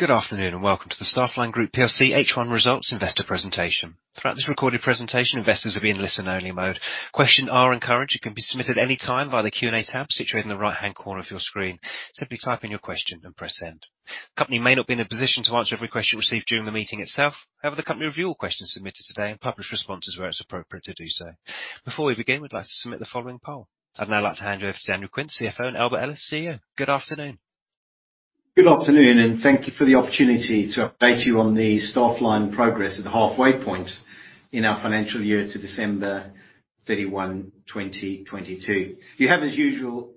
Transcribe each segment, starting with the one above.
Good afternoon and welcome to the Staffline Group plc H1 Results Investor Presentation. Throughout this recorded presentation, investors will be in listen-only mode. Questions are encouraged and can be submitted any time via the Q&A tab situated in the right-hand corner of your screen. Simply type in your question and press Send. Company may not be in a position to answer every question received during the meeting itself. However, the company review all questions submitted today and publish responses where it's appropriate to do so. Before we begin, we'd like to submit the following poll. I'd now like to hand you over to Daniel Quint, CFO, and Albert Ellis, CEO. Good afternoon. Good afternoon, and thank you for the opportunity to update you on the Staffline progress at the halfway point in our financial year to December 31, 2022. You have, as usual,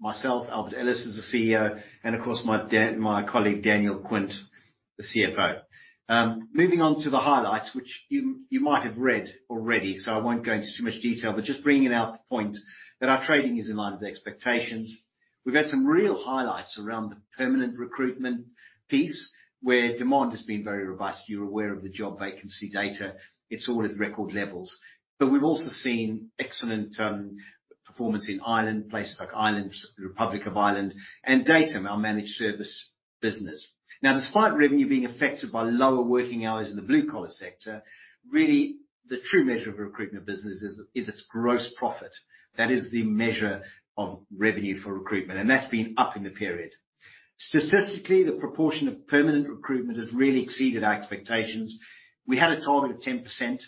myself, Albert Ellis, as the CEO, and of course, my colleague Daniel Quint, the CFO. Moving on to the highlights, which you might have read already, so I won't go into too much detail, but just bringing out the point that our trading is in line with the expectations. We've had some real highlights around the permanent recruitment piece where demand has been very robust. You're aware of the job vacancy data. It's all at record levels. We've also seen excellent performance in Ireland, places like Ireland, Republic of Ireland, and Datum, our managed service business. Now, despite revenue being affected by lower working hours in the blue-collar sector, really, the true measure of a recruitment business is its gross profit. That is the measure of revenue for recruitment, and that's been up in the period. Statistically, the proportion of permanent recruitment has really exceeded our expectations. We had a target of 10%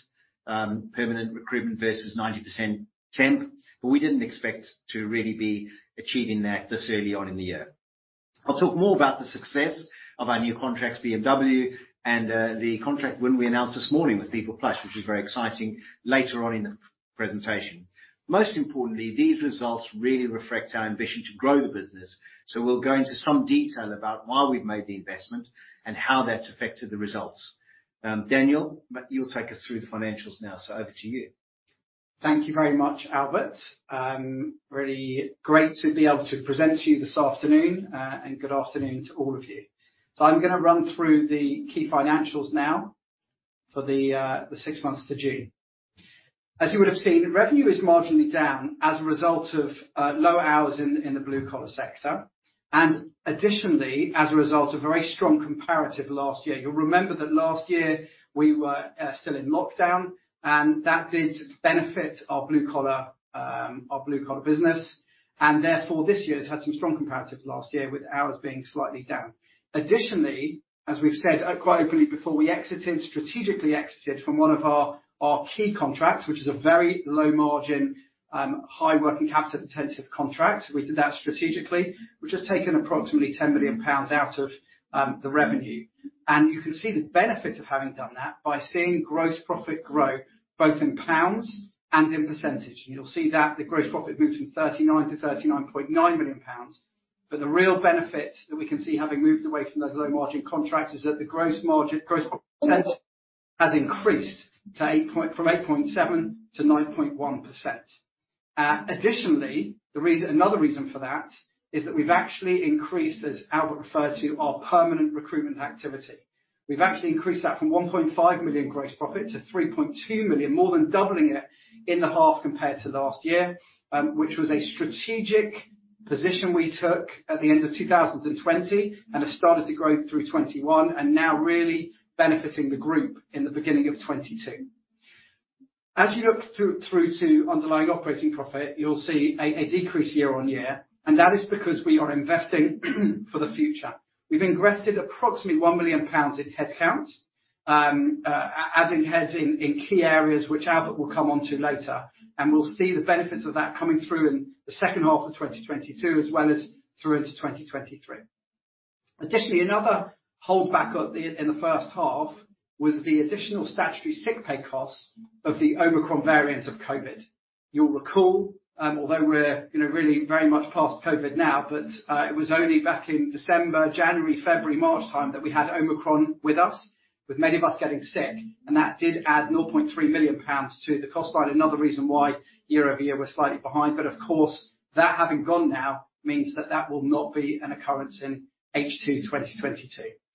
permanent recruitment versus 90% temp, but we didn't expect to really be achieving that this early on in the year. I'll talk more about the success of our new contracts, BMW and the contract we announced this morning with PeoplePlus, which is very exciting later on in the presentation. Most importantly, these results really reflect our ambition to grow the business, so we'll go into some detail about why we've made the investment and how that's affected the results. Daniel, you'll take us through the financials now. Over to you. Thank you very much, Albert. Really great to be able to present to you this afternoon, and good afternoon to all of you. I'm gonna run through the key financials now for the six months to June. As you would have seen, revenue is marginally down as a result of lower hours in the blue-collar sector. Additionally, as a result of very strong comparative last year, you'll remember that last year we were still in lockdown, and that did benefit our blue-collar business. Therefore, this year's had some strong comparatives last year with hours being slightly down. Additionally, as we've said quite openly before, we exited, strategically exited from one of our key contracts, which is a very low margin high working capital-intensive contract. We did that strategically, which has taken approximately 10 million pounds out of the revenue. You can see the benefit of having done that by seeing gross profit grow both in pounds and in percentage. You'll see that the gross profit moved from 39 million to 39.9 million pounds. The real benefit that we can see, having moved away from those low margin contracts is that the gross margin, gross profit percent has increased from 8.7% to 9.1%. Additionally, another reason for that is that we've actually increased, as Albert referred to, our permanent recruitment activity. We've actually increased that from 1.5 million gross profit to 3.2 million, more than doubling it in the half compared to last year, which was a strategic position we took at the end of 2020 and has started to grow through 2021 and now really benefiting the group in the beginning of 2022. As you look through to underlying operating profit, you'll see a decrease year-on-year, and that is because we are investing for the future. We've invested approximately 1 million pounds in headcount, adding heads in key areas which Albert will come onto later. We'll see the benefits of that coming through in the second half of 2022 as well as through into 2023. Additionally, another holdback in the first half was the additional Statutory Sick Pay costs of the Omicron variant of COVID. You'll recall, although we're, you know, really very much past COVID now, but it was only back in December, January, February, March time that we had Omicron with us, with many of us getting sick, and that did add 0.3 million pounds to the cost line. Another reason why year-over-year we're slightly behind, but of course, that having gone now means that that will not be an occurrence in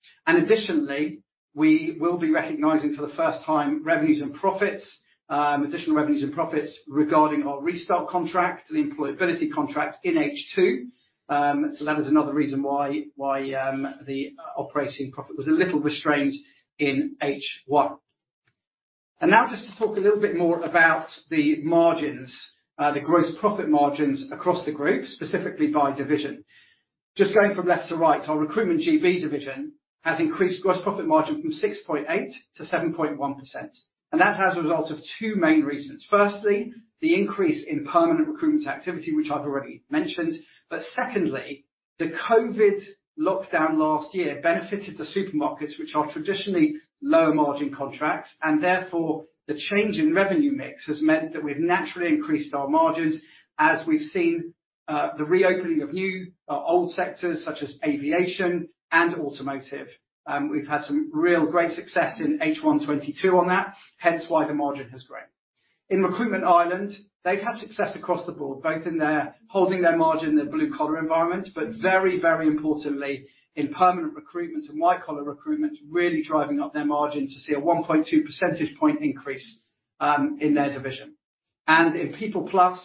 H2 2022. Additionally, we will be recognizing for the first time revenues and profits, additional revenues and profits regarding our Restart contract, the employability contract in H2. So that is another reason why the operating profit was a little restrained in H1. Now just to talk a little bit more about the margins, the gross profit margins across the group, specifically by division. Just going from left to right, our Recruitment GB division has increased gross profit margin from 6.8% to 7.1%, and that as a result of two main reasons. Firstly, the increase in permanent recruitment activity, which I've already mentioned. Secondly, the COVID lockdown last year benefited the supermarkets, which are traditionally lower margin contracts, and therefore, the change in revenue mix has meant that we've naturally increased our margins as we've seen the reopening of new or old sectors such as aviation and automotive. We've had some real great success in H1 2022 on that, hence why the margin has grown. In Recruitment Ireland, they've had success across the board, both in their holding their margin in their blue-collar environment, but very, very importantly in permanent recruitment and white-collar recruitment, really driving up their margin to see a 1.2 percentage point increase, in their division. In PeoplePlus,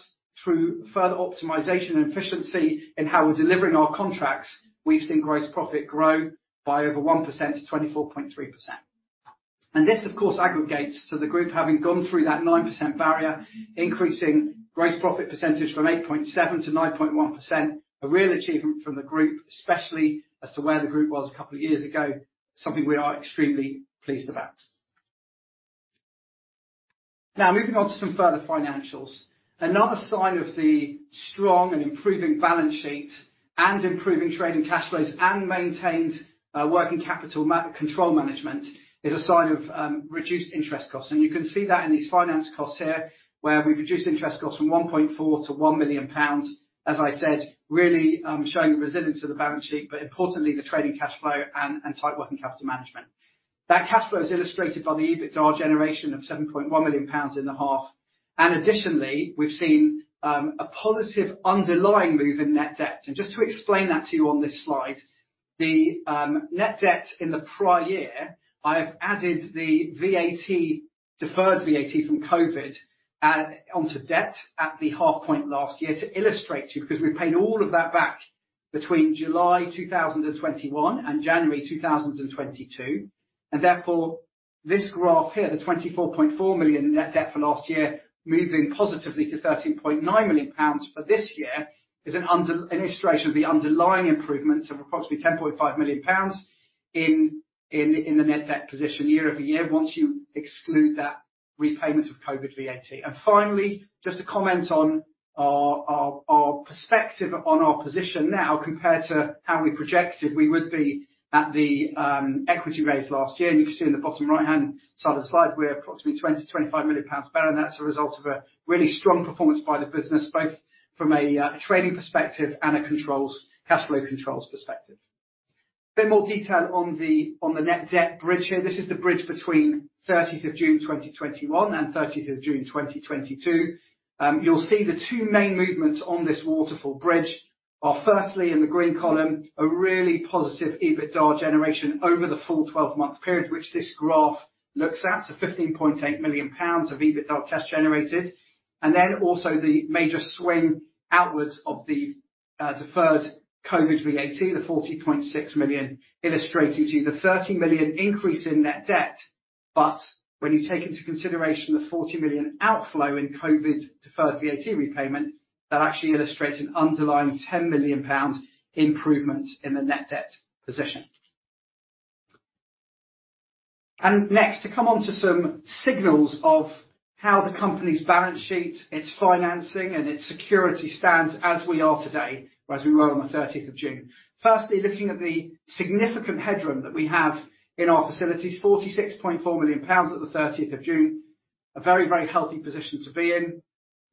through further optimization and efficiency in how we're delivering our contracts, we've seen gross profit grow by over 1% to 24.3%. This of course aggregates to the group having gone through that 9% barrier, increasing gross profit percentage from 8.7% to 9.1%. A real achievement from the group, especially as to where the group was a couple of years ago, something we are extremely pleased about. Now, moving on to some further financials, another sign of the strong and improving balance sheet and improving trading cash flows and maintained working capital management is a sign of reduced interest costs. You can see that in these finance costs here, where we've reduced interest costs from 1.4 million to 1 million pounds. As I said, really, showing the resilience of the balance sheet, but importantly, the trading cash flow and tight working capital management. That cash flow is illustrated by the EBITDA generation of 7.1 million pounds in the half. Additionally, we've seen a positive underlying move in net debt. Just to explain that to you on this slide, the net debt in the prior year, I've added the VAT, deferred VAT from COVID onto debt at the half point last year to illustrate to you, because we paid all of that back between July 2021 and January 2022. Therefore, this graph here, the 24.4 million net debt for last year, moving positively to 13.9 million pounds for this year, is an illustration of the underlying improvements of approximately 10.5 million pounds in the net debt position year-over-year once you exclude that repayment of COVID VAT. Finally, just to comment on our perspective on our position now compared to how we projected we would be at the equity raise last year. You can see in the bottom right-hand side of the slide, we're approximately 20 million-25 million pounds better, and that's a result of a really strong performance by the business, both from a trading perspective and a controls, cash flow controls perspective. A bit more detail on the net debt bridge here. This is the bridge between thirtieth of June 2021 and thirtieth of June 2022. You'll see the two main movements on this waterfall bridge are firstly, in the green column, a really positive EBITDA generation over the full twelve-month period which this graph looks at. So 15.8 million pounds of EBITDA cash generated. Then also the major swing outwards of the deferred COVID VAT, the 40.6 million, illustrating to you the 30 million increase in net debt. When you take into consideration the 40 million outflow in COVID deferred VAT repayment, that actually illustrates an underlying 10 million pound improvement in the net debt position. Next to come on to some signals of how the company's balance sheet, its financing, and its security stands as we are today, or as we were on the thirtieth of June. Firstly, looking at the significant headroom that we have in our facilities, 46.4 million pounds at the thirtieth of June. A very, very healthy position to be in.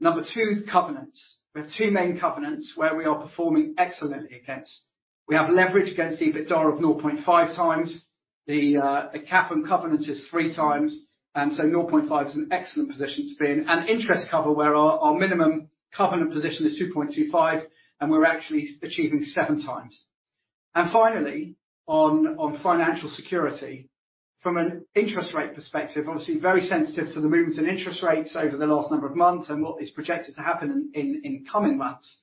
Number two, covenants. We have two main covenants where we are performing excellently against. We have leverage against EBITDA of 0.5 times. The cap on covenant is 3 times, and so 0.5 is an excellent position to be in. Interest cover, where our minimum covenant position is 2.25, and we're actually achieving 7 times. Finally, on financial security. From an interest rate perspective, obviously very sensitive to the movements in interest rates over the last number of months and what is projected to happen in coming months.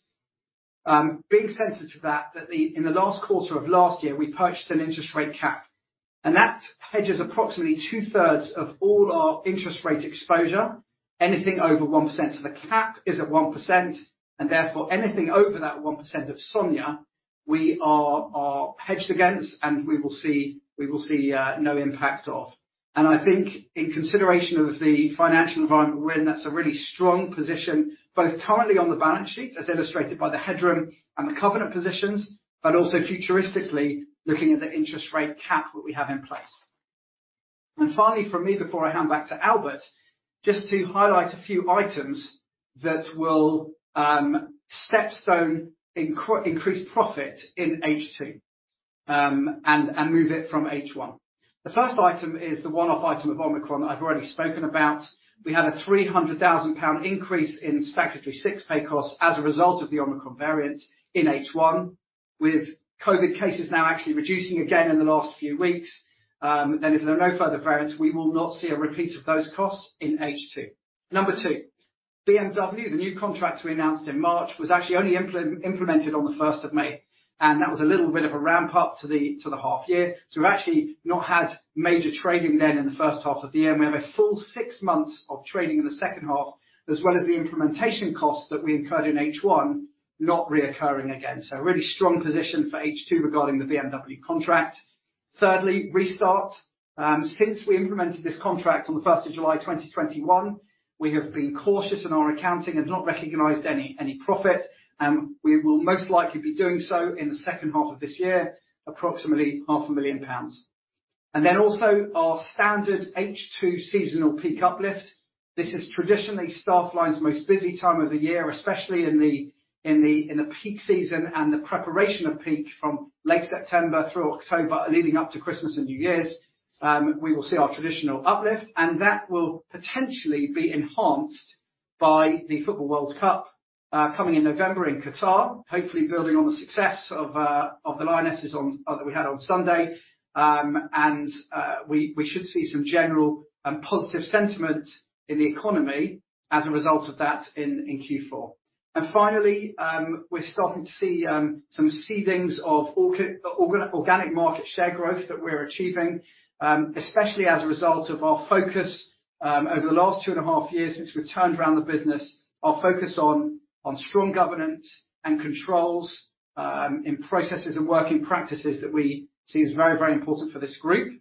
Being sensitive to that, in the last quarter of last year, we purchased an interest rate cap, and that hedges approximately two-thirds of all our interest rate exposure. Anything over 1% of the cap is at 1%, and therefore anything over that 1% of SONIA we are hedged against, and we will see no impact. I think in consideration of the financial environment we're in, that's a really strong position, both currently on the balance sheet as illustrated by the headroom and the covenant positions, but also futuristically looking at the interest rate cap that we have in place. Finally from me, before I hand back to Albert, just to highlight a few items that will step-change increased profit in H2, and move it from H1. The first item is the one-off item of Omicron that I've already spoken about. We had a 300,000 pound increase in statutory sick pay costs as a result of the Omicron variant in H1. With COVID cases now actually reducing again in the last few weeks, and if there are no further variants, we will not see a repeat of those costs in H2. Number two, BMW, the new contract we announced in March was actually only implemented on the first of May, and that was a little bit of a ramp up to the half year. We've actually not had major trading then in the first half of the year. We have a full six months of trading in the second half, as well as the implementation costs that we incurred in H1 not reoccurring again. A really strong position for H2 regarding the BMW contract. Thirdly, Restart. Since we implemented this contract on the first of July 2021, we have been cautious in our accounting and not recognized any profit. We will most likely be doing so in the second half of this year, approximately half a million pounds. Also our standard H2 seasonal peak uplift. This is traditionally Staffline's most busy time of the year, especially in the peak season and the preparation for peak from late September through October leading up to Christmas and New Year's. We will see our traditional uplift, and that will potentially be enhanced by the FIFA World Cup coming in November in Qatar, hopefully building on the success of the Lionesses that we had on Sunday. We should see some general and positive sentiment in the economy as a result of that in Q4. Finally, we're starting to see some signs of organic market share growth that we're achieving, especially as a result of our focus over the last 2.5 years since we've turned around the business, our focus on strong governance and controls in processes and working practices that we see as very important for this group.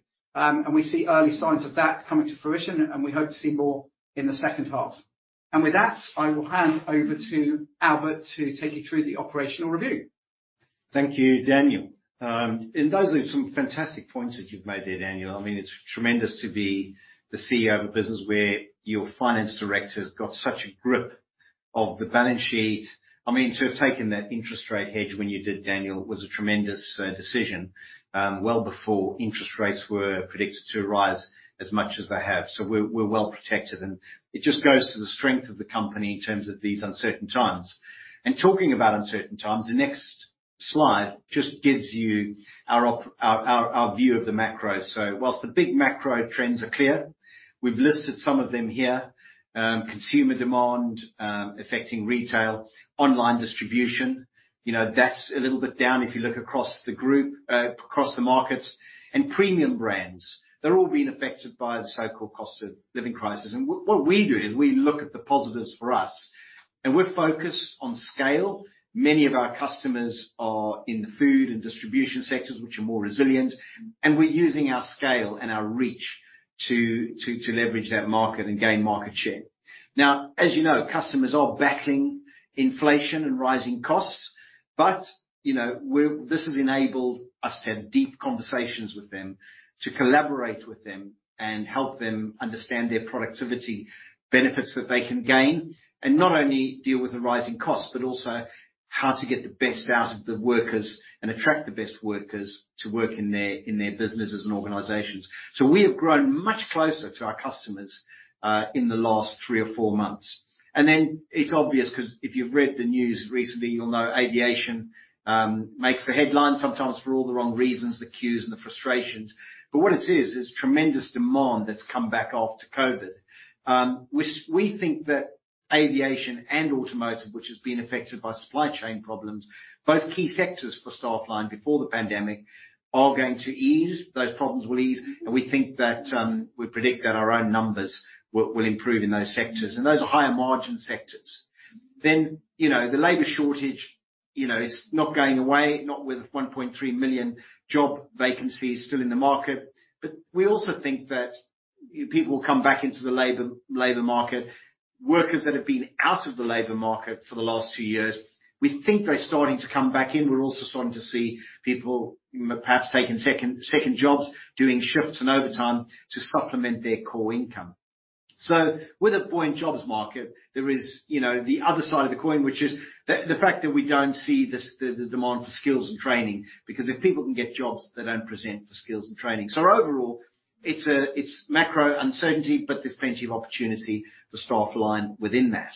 We see early signs of that coming to fruition, and we hope to see more in the second half. With that, I will hand over to Albert to take you through the operational review. Thank you, Daniel. Those are some fantastic points that you've made there, Daniel. I mean, it's tremendous to be the CEO of a business where your finance director's got such a grip of the balance sheet. I mean, to have taken that interest rate hedge when you did, Daniel, was a tremendous decision, well before interest rates were predicted to rise as much as they have. We're well protected, and it just goes to the strength of the company in terms of these uncertain times. Talking about uncertain times, the next slide just gives you our view of the macro. While the big macro trends are clear, we've listed some of them here. Consumer demand affecting retail, online distribution. You know, that's a little bit down if you look across the group, across the markets. Premium brands, they're all being affected by the so-called cost of living crisis. What we do is we look at the positives for us, and we're focused on scale. Many of our customers are in the food and distribution sectors, which are more resilient, and we're using our scale and our reach to leverage that market and gain market share. Now, as you know, customers are battling inflation and rising costs, but, you know, this has enabled us to have deep conversations with them, to collaborate with them and help them understand their productivity benefits that they can gain, and not only deal with the rising costs, but also how to get the best out of the workers and attract the best workers to work in their businesses and organizations. We have grown much closer to our customers in the last three or four months. It's obvious 'cause if you've read the news recently, you'll know aviation makes the headlines sometimes for all the wrong reasons, the queues and the frustrations. What it is tremendous demand that's come back after COVID. We think that aviation and automotive, which has been affected by supply chain problems, both key sectors for Staffline before the pandemic, are going to ease. Those problems will ease, and we think that we predict that our own numbers will improve in those sectors, and those are higher margin sectors. You know, the labor shortage, you know, is not going away, not with 1.3 million job vacancies still in the market. We also think that young people will come back into the labor market. Workers that have been out of the labor market for the last 2 years, we think they're starting to come back in. We're also starting to see people perhaps taking second jobs, doing shifts and overtime to supplement their core income. With a buoyant jobs market, there is, you know, the other side of the coin, which is the fact that we don't see the demand for skills and training because if people can get jobs, they don't present for skills and training. Overall, it's macro uncertainty, but there's plenty of opportunity for Staffline within that.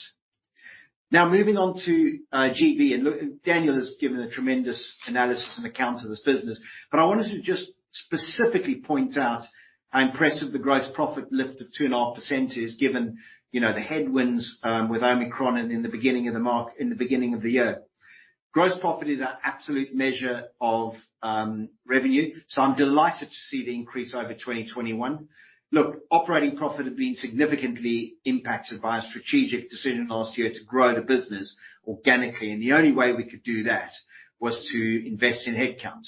Now, moving on to GB. Daniel has given a tremendous analysis and account of this business, but I wanted to just specifically point out how impressive the gross profit lift of 2.5% is given, you know, the headwinds with Omicron and in the beginning of the year. Gross profit is our absolute measure of revenue, so I'm delighted to see the increase over 2021. Look, operating profit had been significantly impacted by our strategic decision last year to grow the business organically, and the only way we could do that was to invest in headcount.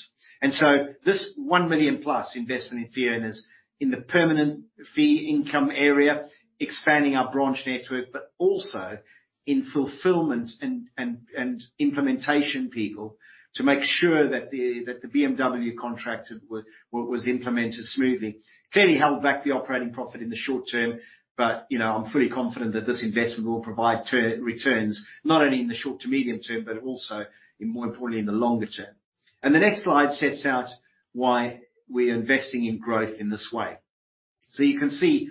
This +1 million investment in fee earners in the permanent fee income area, expanding our branch network, but also in fulfillment and implementation people to make sure that the BMW contract was implemented smoothly, clearly held back the operating profit in the short term, but, you know, I'm fully confident that this investment will provide returns, not only in the short to medium term, but also, more importantly, in the longer term. The next slide sets out why we're investing in growth in this way. You can see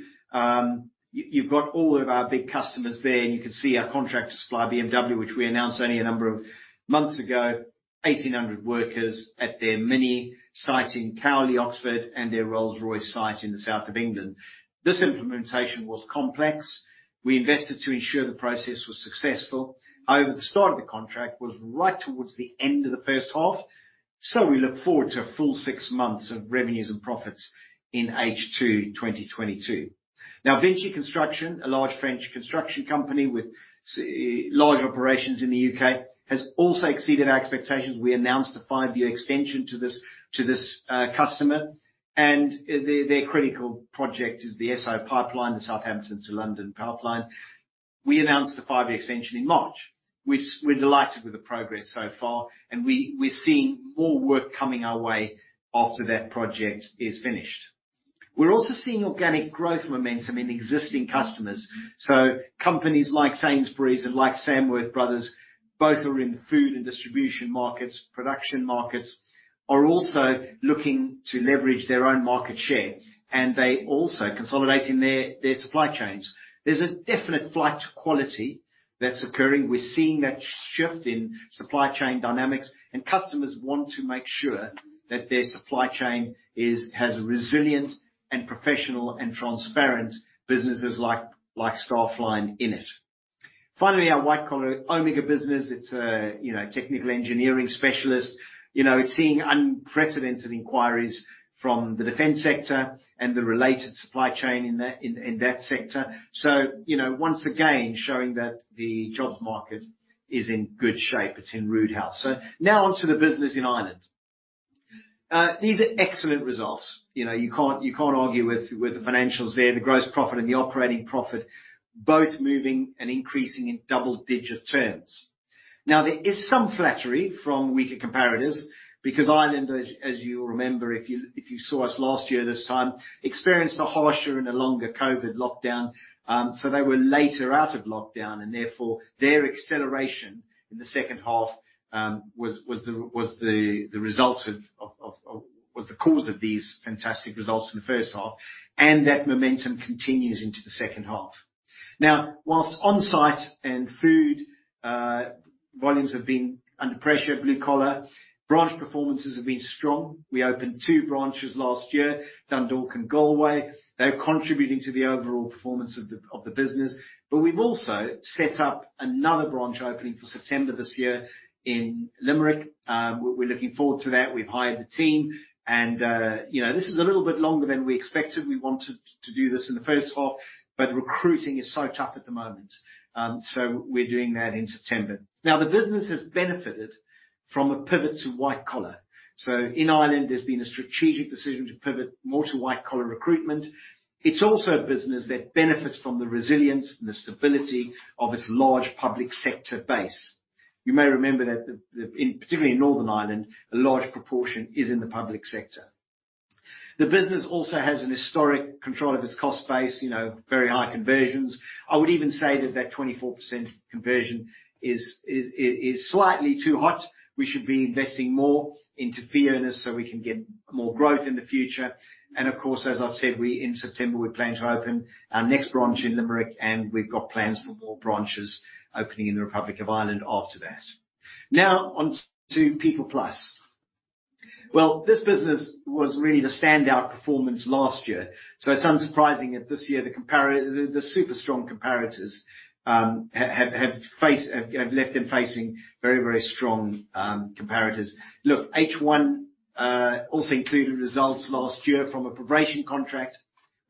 you've got all of our big customers there, and you can see our contract to supply BMW, which we announced only a number of months ago, 1,800 workers at their MINI site in Cowley, Oxford, and their Rolls-Royce site in the South of England. This implementation was complex. We invested to ensure the process was successful. However, the start of the contract was right towards the end of the first half, so we look forward to a full six months of revenues and profits in H2 2022. Now, VINCI Construction, a large French construction company with large operations in the UK, has also exceeded our expectations. We announced a five-year extension to this customer, and their critical project is the SO pipeline, the Southampton to London pipeline. We announced the five-year extension in March. We're delighted with the progress so far, and we're seeing more work coming our way after that project is finished. We're also seeing organic growth momentum in existing customers. Companies like Sainsbury's and like Samworth Brothers. Both are in the food and distribution markets, production markets, are also looking to leverage their own market share, and they also consolidating their supply chains. There's a definite flight to quality that's occurring. We're seeing that shift in supply chain dynamics, and customers want to make sure that their supply chain has resilient and professional and transparent businesses like Staffline in it. Finally, our white-collar Omega business. It's a, you know, technical engineering specialist. You know, it's seeing unprecedented inquiries from the defense sector and the related supply chain in that sector. You know, once again, showing that the jobs market is in good shape. It's in rude health. Now on to the business in Ireland. These are excellent results. You know, you can't argue with the financials there, the gross profit and the operating profit both moving and increasing in double-digit terms. Now, there is some flattery from weaker comparators because Ireland, as you'll remember if you saw us last year this time, experienced a harsher and a longer COVID lockdown, so they were later out of lockdown, and therefore their acceleration in the second half was the cause of these fantastic results in the first half, and that momentum continues into the second half. Now, while onsite and food volumes have been under pressure at blue-collar, branch performances have been strong. We opened two branches last year, Dundalk and Galway. They're contributing to the overall performance of the business, but we've also set up another branch opening for September this year in Limerick. We're looking forward to that. We've hired the team and, you know, this is a little bit longer than we expected. We wanted to do this in the first half, but recruiting is so tough at the moment, so we're doing that in September. Now, the business has benefited from a pivot to white collar. In Ireland, there's been a strategic decision to pivot more to white collar recruitment. It's also a business that benefits from the resilience and the stability of its large public sector base. You may remember that in particular Northern Ireland, a large proportion is in the public sector. The business also has an historic control of its cost base, you know, very high conversions. I would even say that 24% conversion is slightly too hot. We should be investing more into fee earners so we can get more growth in the future. Of course, as I've said, in September, we plan to open our next branch in Limerick, and we've got plans for more branches opening in the Republic of Ireland after that. Now on to PeoplePlus. This business was really the standout performance last year, so it's unsurprising that this year the super strong comparators have left them facing very, very strong comparators. Look, H1 also included results last year from a probation contract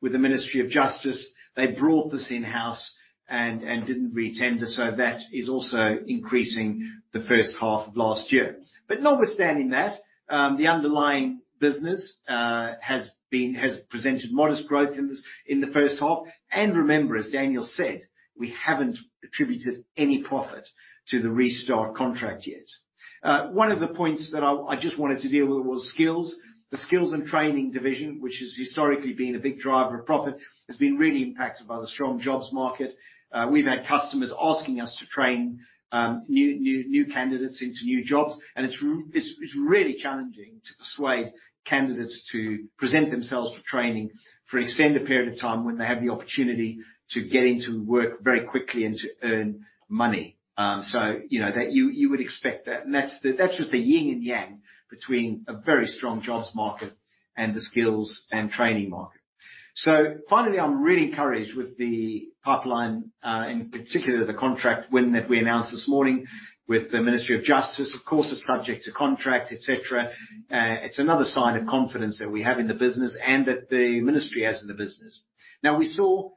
with the Ministry of Justice. They brought this in-house and didn't re-tender, so that is also increasing the first half of last year. Notwithstanding that, the underlying business has presented modest growth in the first half. Remember, as Daniel said, we haven't attributed any profit to the Restart contract yet. One of the points that I just wanted to deal with was skills. The Skills and Training division, which has historically been a big driver of profit, has been really impacted by the strong jobs market. We've had customers asking us to train new candidates into new jobs, and it's really challenging to persuade candidates to present themselves for training for an extended period of time when they have the opportunity to get into work very quickly and to earn money. You know that you would expect that. That's just the yin and yang between a very strong jobs market and the skills and training market. Finally, I'm really encouraged with the pipeline, in particular, the contract win that we announced this morning with the Ministry of Justice. Of course, it's subject to contract, et cetera. It's another sign of confidence that we have in the business and that the Ministry has in the business. Now, we saw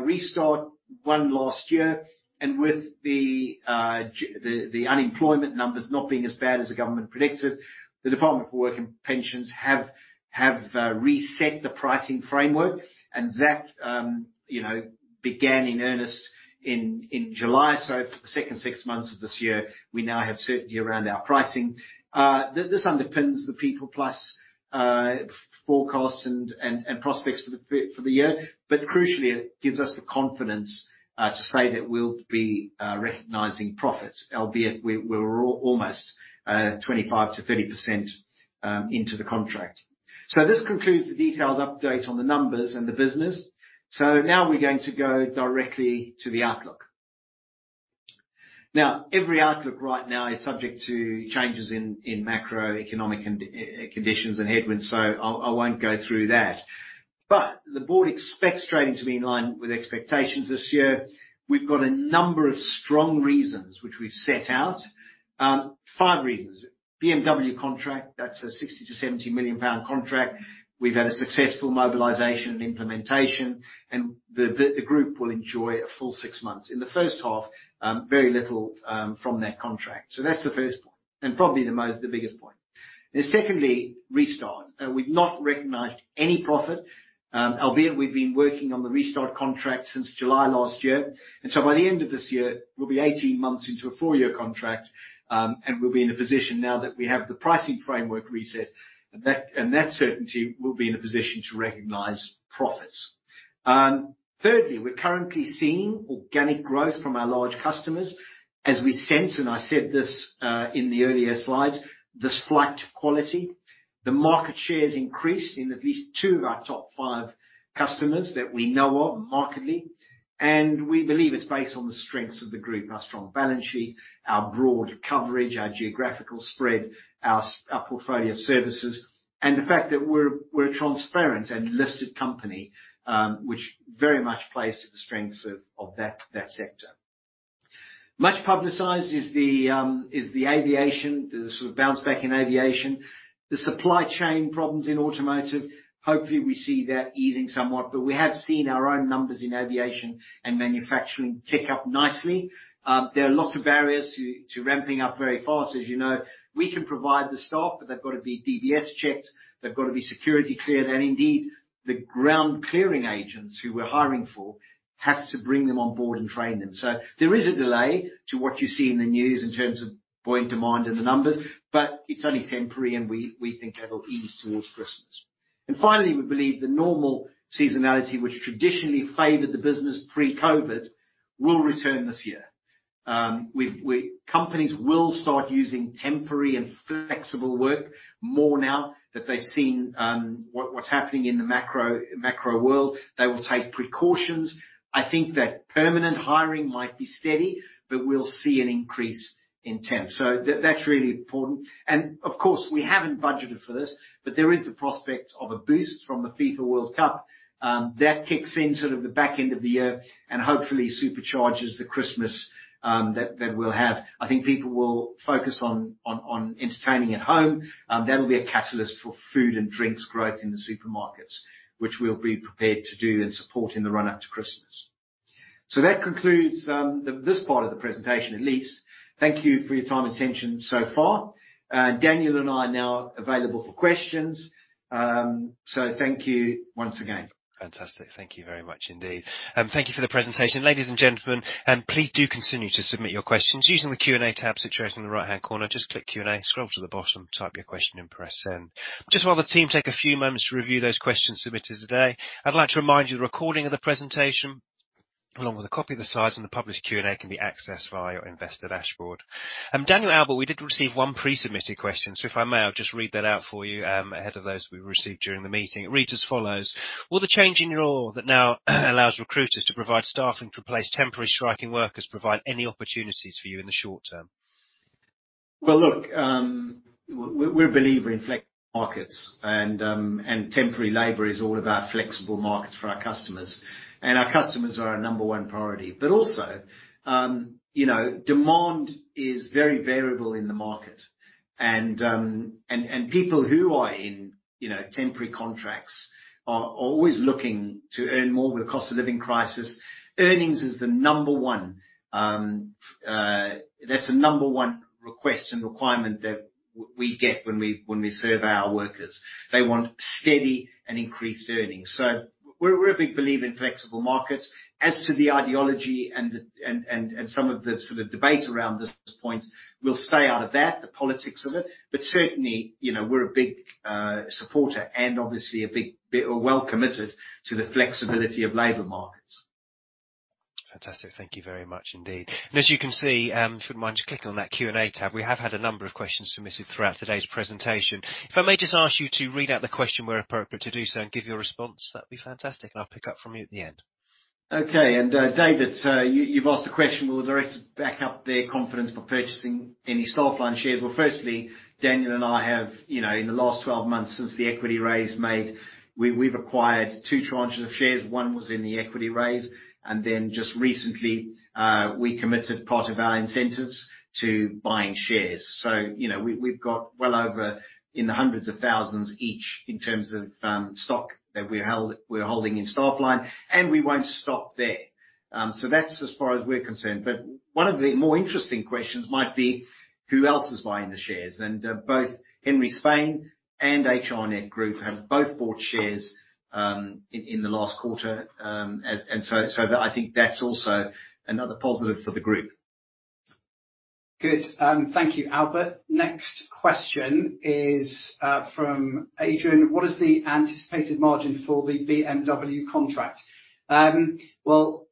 restart one last year, and with the unemployment numbers not being as bad as the government predicted, the Department for Work and Pensions have reset the pricing framework, and that, you know, began in earnest in July. For the second six months of this year, we now have certainty around our pricing. This underpins the PeoplePlus forecasts and prospects for the year, but crucially, it gives us the confidence to say that we'll be recognizing profits, albeit we're almost 25%-30% into the contract. This concludes the detailed update on the numbers and the business. Now we're going to go directly to the outlook. Every outlook right now is subject to changes in macroeconomic conditions and headwinds, so I won't go through that. The board expects trading to be in line with expectations this year. We've got a number of strong reasons which we've set out. Five reasons. BMW contract, that's a 60 million-70 million pound contract. We've had a successful mobilization and implementation, and the group will enjoy a full six months. In the first half, very little from that contract. That's the first point. Probably the biggest point. Secondly, Restart. We've not recognized any profit, albeit we've been working on the Restart contract since July last year. By the end of this year, we'll be 18 months into a four-year contract, and we'll be in a position now that we have the pricing framework reset, and that certainty, we'll be in a position to recognize profits. Thirdly, we're currently seeing organic growth from our large customers as we sense, and I said this in the earlier slides, this flight to quality. The market share has increased in at least two of our top five customers that we know of markedly, and we believe it's based on the strengths of the group, our strong balance sheet, our broad coverage, our geographical spread, our portfolio of services, and the fact that we're a transparent and listed company, which very much plays to the strengths of that sector. Much publicized is the aviation, the sort of bounce back in aviation. The supply chain problems in automotive, hopefully, we see that easing somewhat. We have seen our own numbers in aviation and manufacturing tick up nicely. There are lots of barriers to ramping up very fast. As you know, we can provide the staff, but they've gotta be DBS checked, they've gotta be security cleared, and indeed, the ground clearing agents who we're hiring for have to bring them on board and train them. There is a delay to what you see in the news in terms of point demand and the numbers, but it's only temporary, and we think that'll ease towards Christmas. Finally, we believe the normal seasonality, which traditionally favored the business pre-COVID, will return this year. Companies will start using temporary and flexible work more now that they've seen what's happening in the macro world. They will take precautions. I think that permanent hiring might be steady, but we'll see an increase in temp. That's really important. Of course, we haven't budgeted for this, but there is the prospect of a boost from the FIFA World Cup that kicks in sort of the back end of the year and hopefully supercharges the Christmas that we'll have. I think people will focus on entertaining at home. That'll be a catalyst for food and drinks growth in the supermarkets, which we'll be prepared to do and support in the run-up to Christmas. That concludes this part of the presentation at least. Thank you for your time and attention so far. Daniel and I are now available for questions. Thank you once again. Fantastic. Thank you very much indeed. Thank you for the presentation. Ladies and gentlemen, please do continue to submit your questions using the Q&A tab situated in the right-hand corner. Just click Q&A, scroll to the bottom, type your question, and press send. Just while the team take a few moments to review those questions submitted today, I'd like to remind you the recording of the presentation along with a copy of the slides and the published Q&A can be accessed via your investor dashboard. Daniel, Albert, we did receive one pre-submitted question, so if I may, I'll just read that out for you, ahead of those we receive during the meeting. It reads as follows: Will the change in your role that now allows recruiters to provide staffing to replace temporary striking workers provide any opportunities for you in the short term? Well, look, we're a believer in flexible markets and temporary labor is all about flexible markets for our customers, and our customers are our number one priority. Also, you know, demand is very variable in the market and people who are in temporary contracts are always looking to earn more with the cost of living crisis. Earnings is the number one. That's the number one request and requirement that we get when we survey our workers. They want steady and increased earnings. We're a big believer in flexible markets. As to the ideology and some of the sort of debate around this point, we'll stay out of that, the politics of it, but certainly, you know, we're a big supporter and obviously a big, well, committed to the flexibility of labor markets. Fantastic. Thank you very much indeed. As you can see, if you wouldn't mind just clicking on that Q&A tab, we have had a number of questions submitted throughout today's presentation. If I may just ask you to read out the question where appropriate to do so and give your response, that'd be fantastic, and I'll pick up from you at the end. Okay. David, you've asked the question, will directors back up their confidence for purchasing any Staffline shares? Well, firstly, Daniel and I have, you know, in the last 12 months since the equity raise made, we've acquired two tranches of shares. One was in the equity raise, and then just recently, we committed part of our incentives to buying shares. You know, we've got well over in the hundreds of thousands each in terms of, stock that we're holding in Staffline, and we won't stop there. That's as far as we're concerned. One of the more interesting questions might be, who else is buying the shares? Both Henry Spain and HRnetGroup have bought shares, in the last quarter. I think that's also another positive for the group. Good. Thank you, Albert. Next question is from Adrian. What is the anticipated margin for the BMW contract? Well,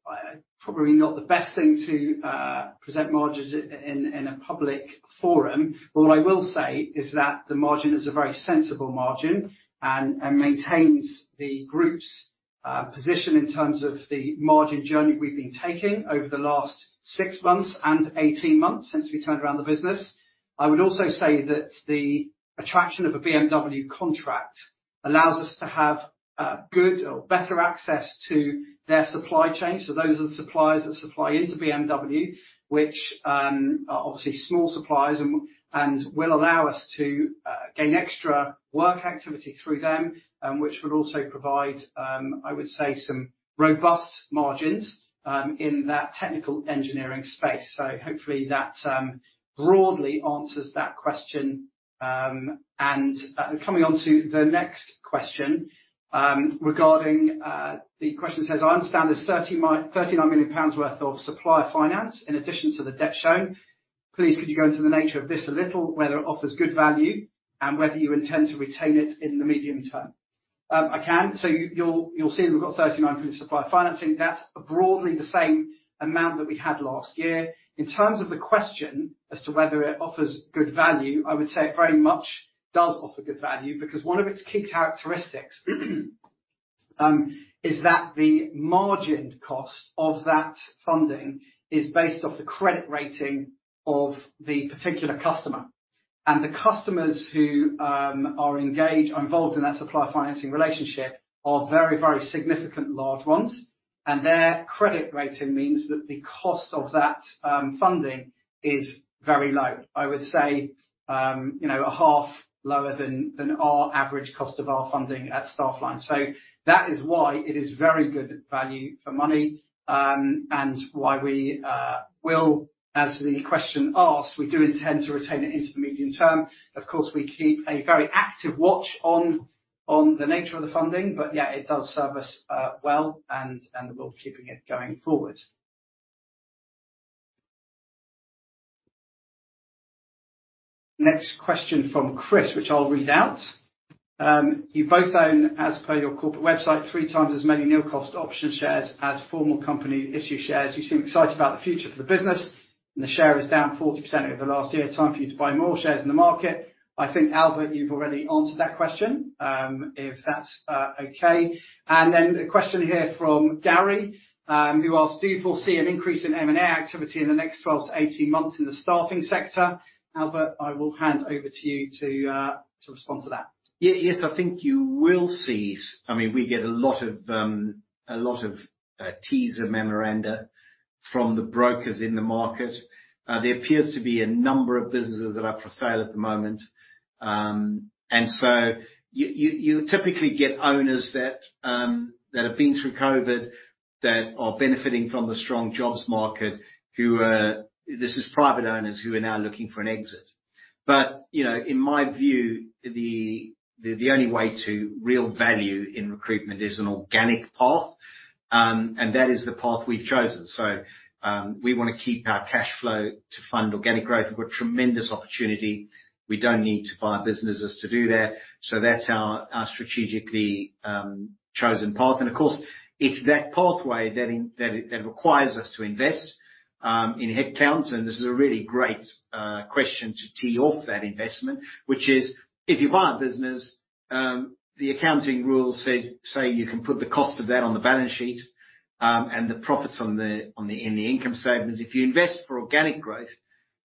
probably not the best thing to present margins in a public forum, but what I will say is that the margin is a very sensible margin and maintains the group's position in terms of the margin journey we've been taking over the last 6 months and 18 months since we turned around the business. I would also say that the attraction of a BMW contract allows us to have good or better access to their supply chain. Those are the suppliers that supply into BMW, which are obviously small suppliers and will allow us to gain extra work activity through them, which would also provide, I would say some robust margins, in that technical engineering space. Hopefully that broadly answers that question. Coming on to the next question, regarding, the question says, "I understand there's 39 million pounds worth of supplier finance in addition to the debt shown. Please, could you go into the nature of this a little, whether it offers good value, and whether you intend to retain it in the medium term?" I can. You'll see that we've got 39 million supplier finance. That's broadly the same amount that we had last year. In terms of the question as to whether it offers good value, I would say it very much does offer good value because one of its key characteristics is that the margin cost of that funding is based off the credit rating of the particular customer. The customers who are engaged or involved in that supplier financing relationship are very, very significant large ones, and their credit rating means that the cost of that funding is very low. I would say, you know, a half lower than our average cost of our funding at Staffline. That is why it is very good value for money, and why we will, as the question asked, we do intend to retain it into the medium term. Of course, we keep a very active watch on the nature of the funding. Yeah, it does serve us well, and we'll be keeping it going forward. Next question from Chris, which I'll read out. "You both own, as per your corporate website, three times as many nil-cost option shares as formal company issue shares. You seem excited about the future for the business, and the share is down 40% over the last year. Time for you to buy more shares in the market?" I think, Albert, you've already answered that question, if that's okay. Then a question here from Gary, who asks, "Do you foresee an increase in M&A activity in the next 12-18 months in the staffing sector?" Albert, I will hand over to you to respond to that. Yes, I think you will see. I mean, we get a lot of teaser memoranda from the brokers in the market. There appears to be a number of businesses that are up for sale at the moment. You typically get owners that have been through COVID, that are benefiting from the strong jobs market, who this is private owners who are now looking for an exit. You know, in my view, the only way to real value in recruitment is an organic path, and that is the path we've chosen. We wanna keep our cash flow to fund organic growth. We've got tremendous opportunity. We don't need to buy businesses to do that. That's our strategically chosen path. Of course, it's that pathway that requires us to invest in headcount. This is a really great question to tee off that investment, which is, if you buy a business, the accounting rules say you can put the cost of that on the balance sheet, and the profits in the income statements. If you invest for organic growth,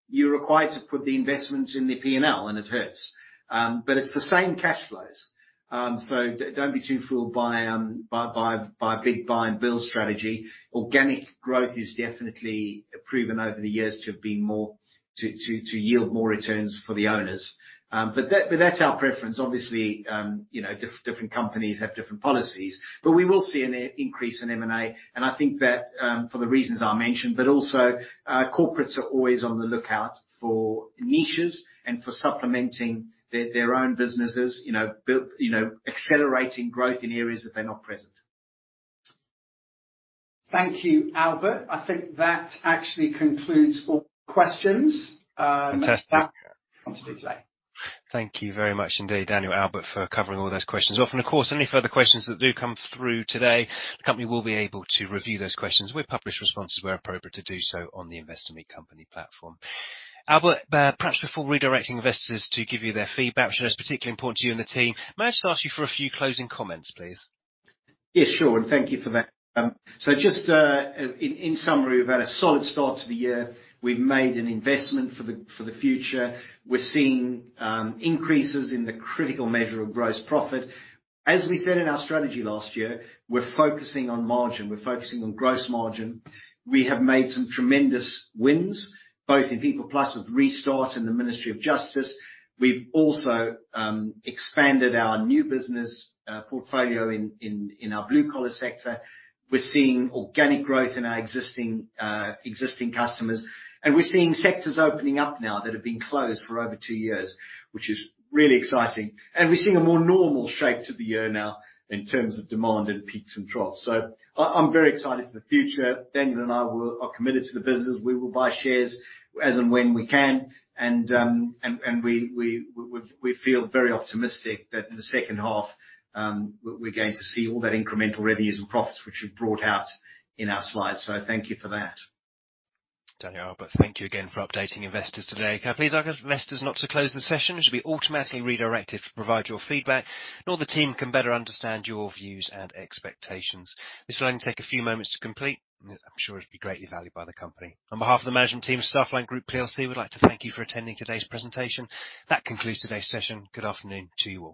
you're required to put the investment in the P&L, and it hurts. It's the same cash flows. Don't be too fooled by a big buy and build strategy. Organic growth has definitely proven over the years to have been more to yield more returns for the owners. That's our preference. Obviously, you know, different companies have different policies. We will see an increase in M&A, and I think that for the reasons I mentioned, but also, corporates are always on the lookout for niches and for supplementing their own businesses. You know, accelerating growth in areas that they're not present. Thank you, Albert. I think that actually concludes all questions. Fantastic. Now, on to you, Jake. Thank you very much indeed, Daniel and Albert, for covering all those questions. Of course, any further questions that do come through today, the company will be able to review those questions. We'll publish responses where appropriate to do so on the InvestorMeetCompany platform. Albert, perhaps before redirecting investors to give you their feedback, which is particularly important to you and the team, may I just ask you for a few closing comments, please? Yes, sure. Thank you for that. Just in summary, we've had a solid start to the year. We've made an investment for the future. We're seeing increases in the critical measure of gross profit. As we said in our strategy last year, we're focusing on margin. We're focusing on gross margin. We have made some tremendous wins, both in PeoplePlus with restart in the Ministry of Justice. We've also expanded our new business portfolio in our blue-collar sector. We're seeing organic growth in our existing customers, and we're seeing sectors opening up now that have been closed for over two years, which is really exciting. We're seeing a more normal shape to the year now in terms of demand and peaks and troughs. I'm very excited for the future. Daniel and I are committed to the business. We will buy shares as and when we can, and we feel very optimistic that in the second half, we're going to see all that incremental revenues and profits which we've brought out in our slides. Thank you for that. Daniel and Albert, thank you again for updating investors today. Can I please ask investors not to close the session, as you'll be automatically redirected to provide your feedback, so all the team can better understand your views and expectations. This will only take a few moments to complete, and I'm sure it'll be greatly valued by the company. On behalf of the management team of Staffline Group plc, we'd like to thank you for attending today's presentation. That concludes today's session. Good afternoon to you all.